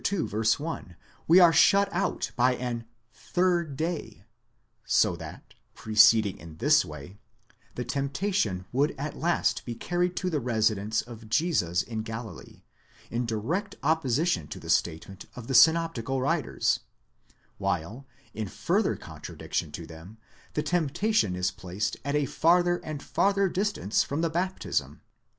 ii. 1, we are shut out by an ἡμέρα τρίτη, third day, so that, proceeding in this way, the temptation would at last be carried to the residence of Jesus in Galilee, in direct opposition to the statement of the synoptical writers ; while, in further contradiction to them, the temptation is placed at a farther and farther distance from the baptism.